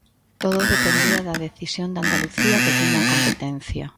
Todo dependía da decisión de Andalucía que tiña a competencia.